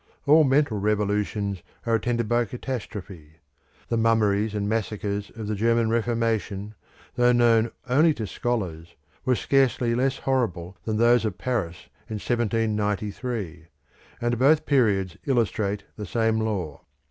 All mental revolutions are attended by catastrophe. The mummeries and massacres of the German Reformation, though known only to scholars, were scarcely less horrible than those of Paris in 1793, and both periods illustrate the same law.